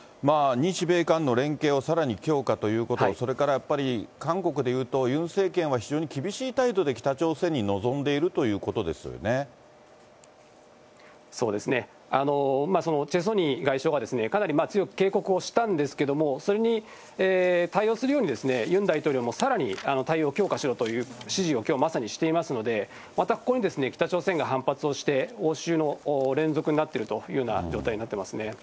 日米韓の連携をさらに強化ということ、それからやっぱり韓国でいうと、ユン政権は非常に厳しい態度で北朝鮮に臨んでいるということですそうですね、チェ・ソニ外相がかなり強く警告をしたんですけれども、それに対応するように、ユン大統領もさらに対応を強化しろという指示をきょう、まさにしていますので、またここに北朝鮮が反発をして、応酬の連続になっているというような状態になってますね。